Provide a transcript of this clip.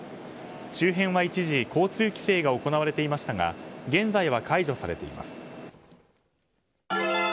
周辺は一時交通規制が行われていましたが現在は解除されています。